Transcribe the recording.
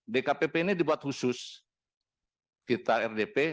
dkpp ini dibuat khusus kita rdp